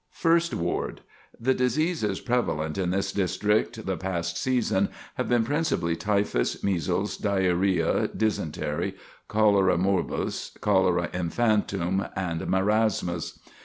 First Ward: The diseases prevalent in this district the past season have been principally typhus, measles, diarrhoea, dysentery, cholera morbus, cholera infantum, and marasmus.